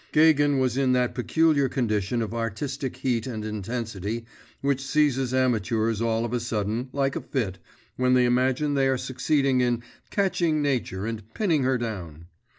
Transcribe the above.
Gagin was in that peculiar condition of artistic heat and intensity which seizes amateurs all of a sudden, like a fit, when they imagine they are succeeding in 'catching nature and pinning her down.